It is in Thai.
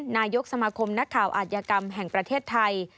นายกสมาคมนักข่าวอาจยากรรมแห่งประเทศไทย